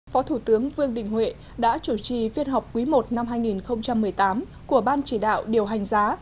phó thủ tướng vương đình huệ đã chủ trì phiên họp quý i năm hai nghìn một mươi tám của ban chỉ đạo điều hành giá